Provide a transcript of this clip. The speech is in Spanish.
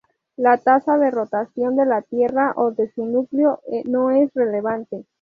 La tasa de rotación de la Tierra, o de su núcleo, no es relevante.